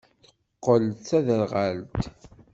Teqqel d taderɣalt.